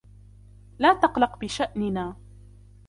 لا تقلق بشأننا.